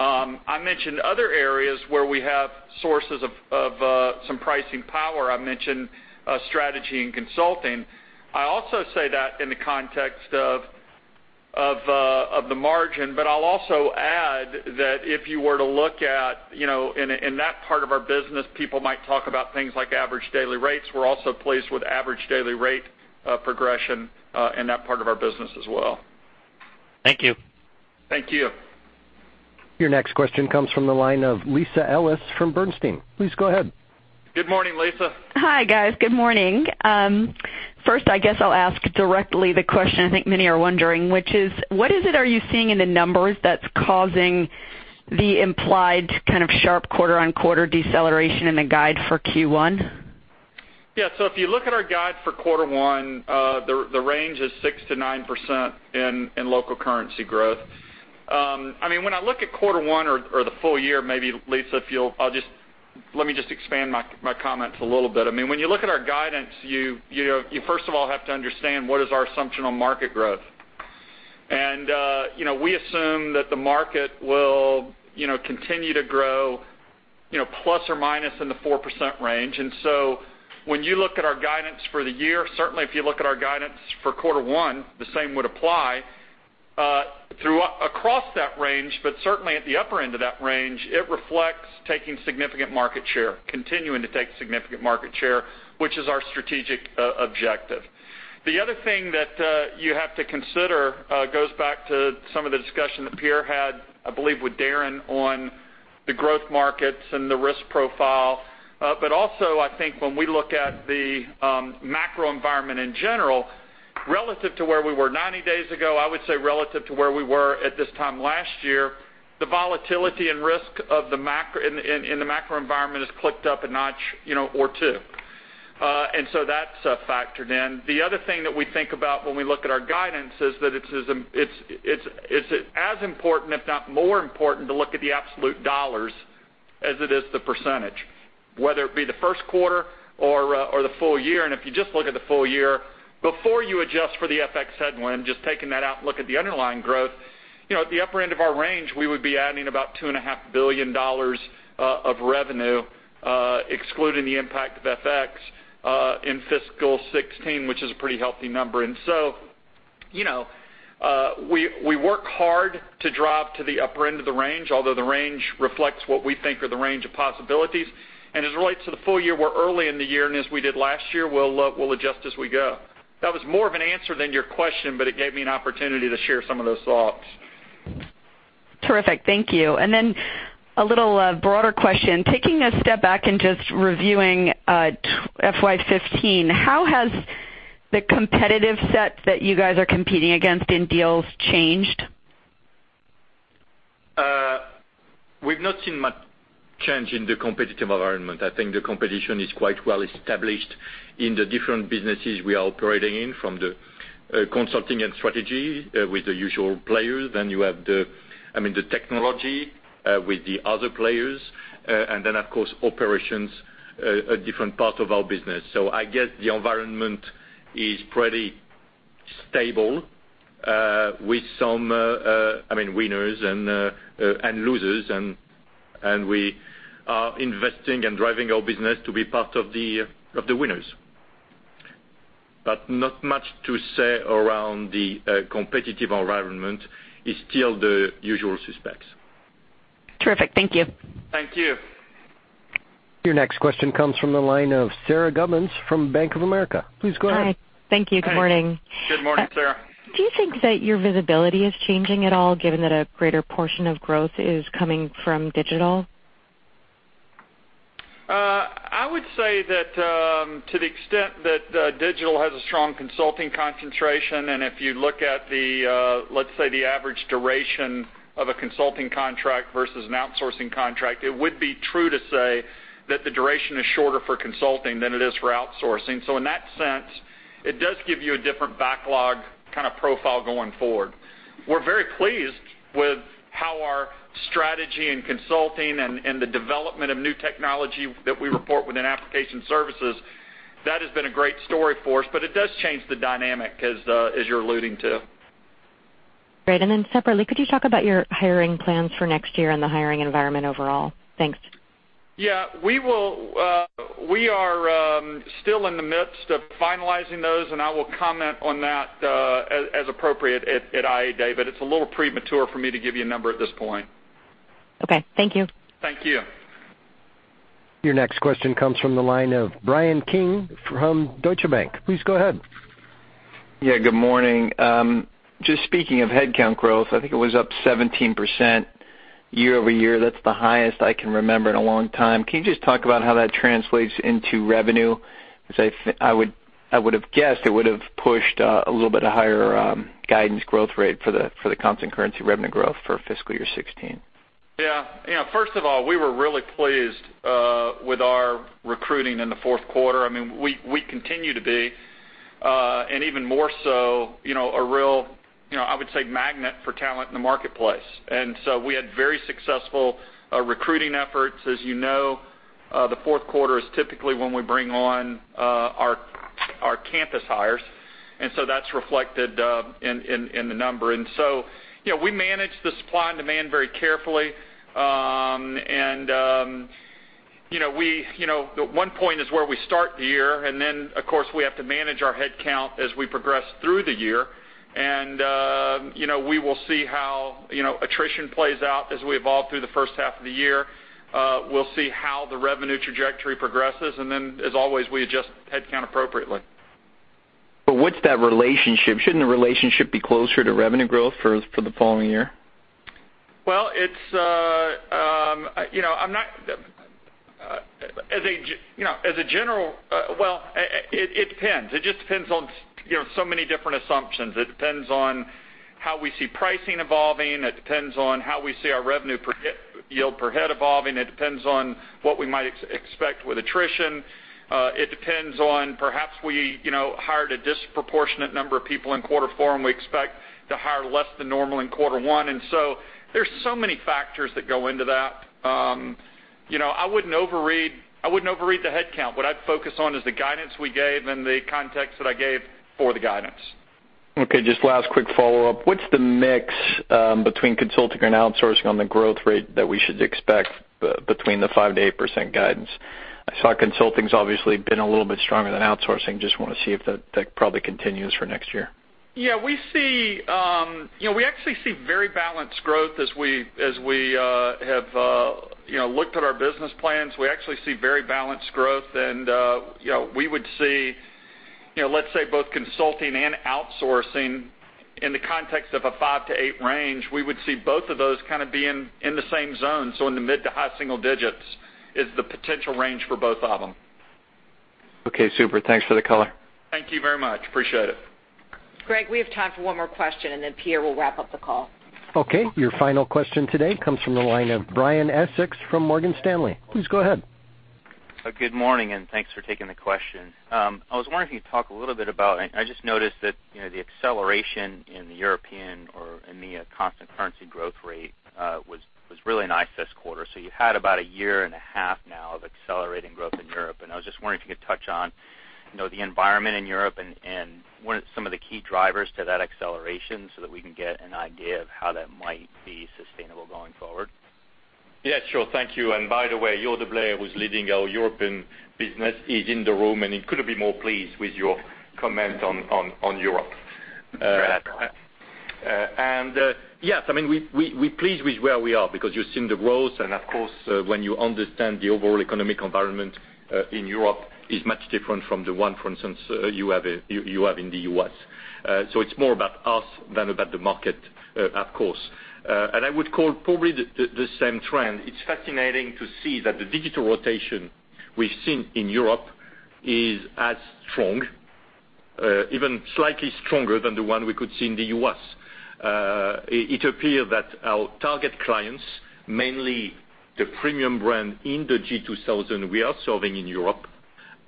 I mentioned other areas where we have sources of some pricing power. I mentioned strategy and consulting. I also say that in the context of the margin. I'll also add that if you were to look at, in that part of our business, people might talk about things like average daily rates. We're also pleased with average daily rate progression in that part of our business as well. Thank you. Thank you. Your next question comes from the line of Lisa Ellis from Bernstein. Please go ahead. Good morning, Lisa. Hi, guys. Good morning. I guess I'll ask directly the question I think many are wondering, which is, what is it are you seeing in the numbers that's causing the implied kind of sharp quarter-on-quarter deceleration in the guide for Q1? If you look at our guide for quarter one, the range is 6%-9% in local currency growth. When I look at quarter one or the full year, maybe, Lisa, let me just expand my comments a little bit. When you look at our guidance, you first of all have to understand what is our assumption on market growth. We assume that the market will continue to grow ± in the 4% range. When you look at our guidance for the year, certainly if you look at our guidance for quarter one, the same would apply. Across that range, but certainly at the upper end of that range, it reflects taking significant market share, continuing to take significant market share, which is our strategic objective. The other thing that you have to consider goes back to some of the discussion that Pierre had, I believe, with Darrin on the growth markets and the risk profile. Also, I think when we look at the macro environment in general, relative to where we were 90 days ago, I would say relative to where we were at this time last year, the volatility and risk in the macro environment has clicked up a notch or two. That's factored in. The other thing that we think about when we look at our guidance is that it's as important, if not more important to look at the absolute $ as it is the percentage, whether it be the first quarter or the full year. If you just look at the full year, before you adjust for the FX headwind, just taking that out and look at the underlying growth, at the upper end of our range, we would be adding about $2.5 billion of revenue, excluding the impact of FX in fiscal 2016, which is a pretty healthy number. We work hard to drive to the upper end of the range, although the range reflects what we think are the range of possibilities. As it relates to the full year, we're early in the year, and as we did last year, we'll adjust as we go. That was more of an answer than your question, but it gave me an opportunity to share some of those thoughts. Terrific. Thank you. Then a little broader question. Taking a step back and just reviewing FY 2015, how has the competitive set that you guys are competing against in deals changed? We've not seen much change in the competitive environment. I think the competition is quite well-established in the different businesses we are operating in, from the consulting and strategy with the usual players. You have the technology with the other players, of course, operations, a different part of our business. I guess the environment is pretty stable with some winners and losers, and we are investing and driving our business to be part of the winners. Not much to say around the competitive environment. It's still the usual suspects. Terrific. Thank you. Thank you. Your next question comes from the line of Sara Gubins from Bank of America. Please go ahead. Hi. Thank you. Good morning. Good morning, Sara. Do you think that your visibility is changing at all, given that a greater portion of growth is coming from digital? I would say that to the extent that digital has a strong consulting concentration, and if you look at the, let's say, the average duration of a consulting contract versus an outsourcing contract, it would be true to say that the duration is shorter for consulting than it is for outsourcing. In that sense, it does give you a different backlog kind of profile going forward. We're very pleased with how our strategy in consulting and the development of new technology that we report within application services, that has been a great story for us, it does change the dynamic as you're alluding to. Great. Separately, could you talk about your hiring plans for next year and the hiring environment overall? Thanks. Yeah. We are still in the midst of finalizing those, I will comment on that as appropriate at IA Day, it's a little premature for me to give you a number at this point. Okay. Thank you. Thank you. Your next question comes from the line of Bryan Keane from Deutsche Bank. Please go ahead. Yeah. Good morning. Just speaking of headcount growth, I think it was up 17% year-over-year. That's the highest I can remember in a long time. Can you just talk about how that translates into revenue? Because I would've guessed it would've pushed a little bit of higher guidance growth rate for the constant currency revenue growth for fiscal year 16. Yeah. First of all, we were really pleased with our recruiting in the fourth quarter. We continue to be, and even more so, a real, I would say, magnet for talent in the marketplace. We had very successful recruiting efforts. As you know, the fourth quarter is typically when we bring on our campus hires, so that's reflected in the number. We manage the supply and demand very carefully. One point is where we start the year, of course, we have to manage our headcount as we progress through the year. We will see how attrition plays out as we evolve through the first half of the year. We'll see how the revenue trajectory progresses, as always, we adjust headcount appropriately. What's that relationship? Shouldn't the relationship be closer to revenue growth for the following year? Well, it depends. It just depends on so many different assumptions. It depends on how we see pricing evolving. It depends on how we see our revenue yield per head evolving. It depends on what we might expect with attrition. It depends on perhaps we hired a disproportionate number of people in quarter 4, we expect to hire less than normal in quarter 1. There's so many factors that go into that. I wouldn't overread the headcount. What I'd focus on is the guidance we gave and the context that I gave for the guidance. Okay, just last quick follow-up. What's the mix between consulting and outsourcing on the growth rate that we should expect between the 5%-8% guidance? I saw consulting's obviously been a little bit stronger than outsourcing. Just want to see if that probably continues for next year. Yeah, we actually see very balanced growth as we have looked at our business plans. We actually see very balanced growth, and we would see, let's say, both consulting and outsourcing in the context of a 5-8 range. We would see both of those kind of being in the same zone. So in the mid-to-high single digits is the potential range for both of them. Okay, super. Thanks for the color. Thank you very much. Appreciate it. Greg, we have time for one more question. Pierre will wrap up the call. Okay. Your final question today comes from the line of Brian Essex from Morgan Stanley. Please go ahead. Good morning, and thanks for taking the question. I was wondering if you could talk a little bit about, I just noticed that the acceleration in the European or EMEA constant currency growth rate was really nice this quarter. You had about a year and a half now of accelerating growth in Europe, and I was just wondering if you could touch on the environment in Europe and what are some of the key drivers to that acceleration so that we can get an idea of how that might be sustainable going forward. Yeah, sure. Thank you. By the way, Jo Deblaere, who's leading our European business, is in the room, and he couldn't be more pleased with your comment on Europe. Great. Yes, we're pleased with where we are because you've seen the growth, and of course, when you understand the overall economic environment in Europe is much different from the one, for instance, you have in the U.S. It's more about us than about the market, of course. I would call probably the same trend. It's fascinating to see that the digital rotation we've seen in Europe is as strong, even slightly stronger than the one we could see in the U.S. It appears that our target clients, mainly the premium brand in the G2000 we are serving in Europe,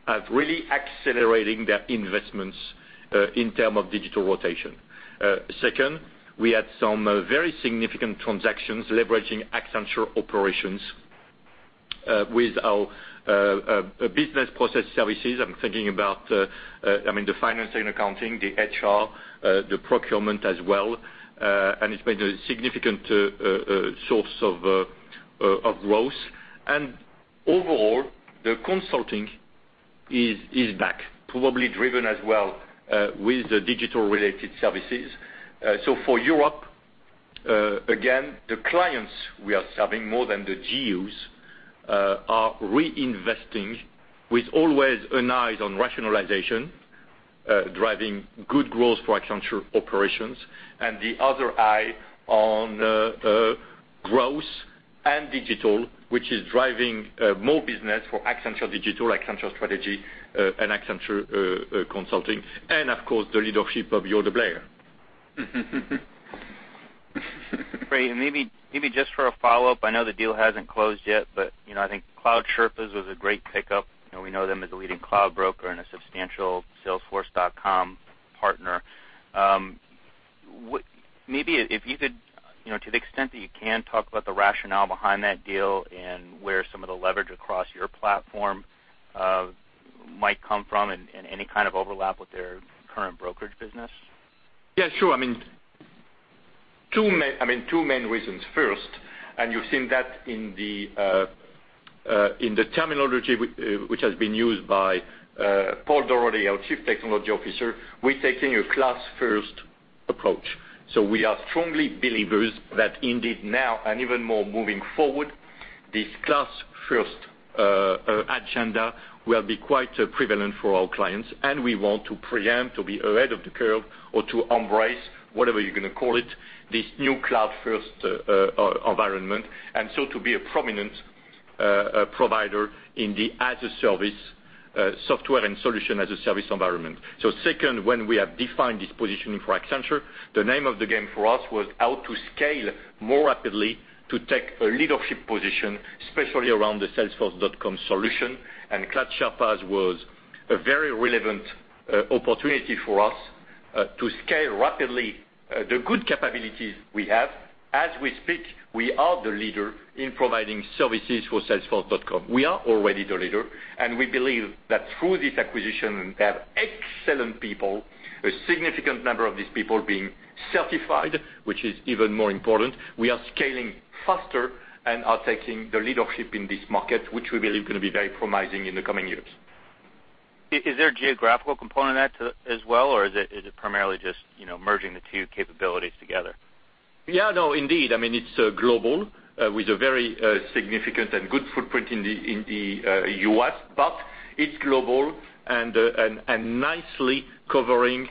are really accelerating their investments in term of digital rotation. Second, we had some very significant transactions leveraging Accenture Operations with our business process services. I'm thinking about the finance and accounting, the HR, the procurement as well, and it's been a significant source of growth. Overall, the consulting is back, probably driven as well with the digital-related services. For Europe, again, the clients we are serving more than the GUs are reinvesting with always an eye on rationalization, driving good growth for Accenture Operations, and the other eye on growth and digital, which is driving more business for Accenture Digital, Accenture Strategy, and Accenture Consulting. Of course, the leadership of Jo Deblaere. Great. Maybe just for a follow-up, I know the deal hasn't closed yet, but I think Cloud Sherpas was a great pickup. We know them as a leading cloud broker and a substantial salesforce.com partner. Maybe if you could, to the extent that you can, talk about the rationale behind that deal and where some of the leverage across your platform might come from and any kind of overlap with their current brokerage business. Yeah, sure. Two main reasons. First, you've seen that in the terminology which has been used by Paul Daugherty, our Chief Technology Officer, we're taking a cloud first approach. We are strongly believers that indeed now and even more moving forward, this cloud first agenda will be quite prevalent for our clients, and we want to preempt, to be ahead of the curve or to embrace, whatever you're going to call it, this new cloud first environment. To be a prominent provider in the software and solution as a service environment. Second, when we have defined this positioning for Accenture, the name of the game for us was how to scale more rapidly to take a leadership position, especially around the salesforce.com solution, and Cloud Sherpas was a very relevant opportunity for us to scale rapidly the good capabilities we have. As we speak, we are the leader in providing services for salesforce.com. We are already the leader, and we believe that through this acquisition, they have excellent people, a significant number of these people being certified, which is even more important. We are scaling faster and are taking the leadership in this market, which we believe is going to be very promising in the coming years. Is there a geographical component to that as well, or is it primarily just merging the two capabilities together? Yeah, no, indeed. It's global with a very significant and good footprint in the U.S. It's global and nicely covering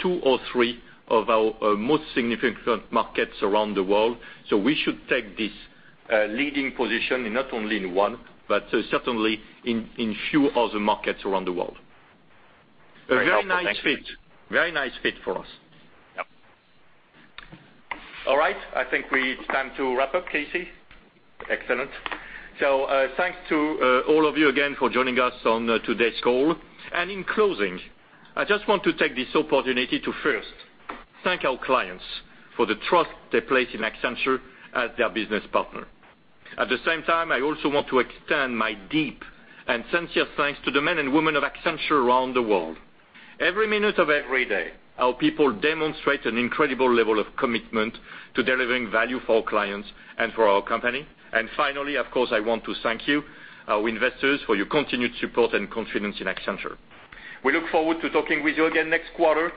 two or three of our most significant markets around the world. We should take this leading position not only in one, but certainly in few other markets around the world. Very helpful. Thank you. A very nice fit. Very nice fit for us. Yep. All right. I think it's time to wrap up, KC. Excellent. Thanks to all of you again for joining us on today's call. In closing, I just want to take this opportunity to first thank our clients for the trust they place in Accenture as their business partner. At the same time, I also want to extend my deep and sincere thanks to the men and women of Accenture around the world. Every minute of every day, our people demonstrate an incredible level of commitment to delivering value for our clients and for our company. Finally, of course, I want to thank you, our investors, for your continued support and confidence in Accenture. We look forward to talking with you again next quarter.